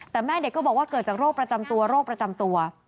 แต่แม่เด็กก็บอกว่าเกิดจากโรคประจำตัวโรคประจำตัว